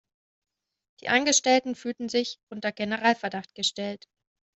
Die Angestellten fühlen sich unter Generalverdacht gestellt.